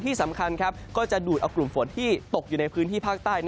ที่สำคัญก็จะดูดเอากลุ่มฝนที่ตกอยู่ในพื้นที่ภาคใต้